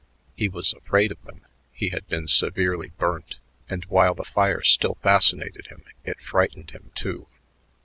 He was afraid of them; he had been severely burnt, and while the fire still fascinated him, it frightened him, too.